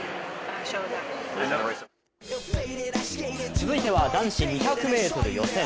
続いては男子２００ｍ予選。